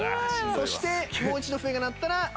そしてもう一度笛が鳴ったら。